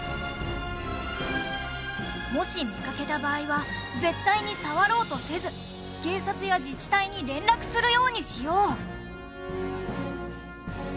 もし見かけた場合は絶対に触ろうとせず警察や自治体に連絡するようにしよう。